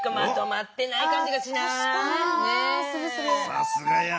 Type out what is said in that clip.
さすがや。